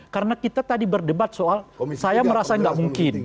karena kita tadi berdebat soal saya merasa gak mungkin